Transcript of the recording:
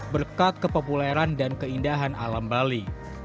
berkat kepopuleran dan keindahan alam bali